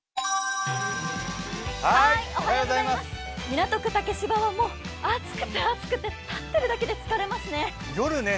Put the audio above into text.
港区竹芝は、もう暑くて暑くて立っているだけで疲れますね。